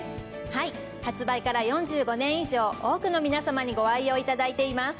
はい発売から４５年以上多くの皆様にご愛用いただいています。